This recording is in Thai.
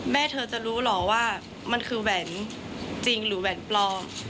แม่เธอจะรู้เหรอว่ามันคือแหวนจริงหรือแหวนปลอม